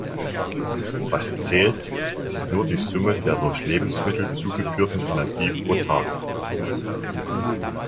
Was zählt, ist nur die Summe der durch Lebensmittel zugeführten Energie pro Tag.